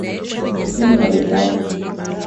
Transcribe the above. Sipendi mwalimu wangu.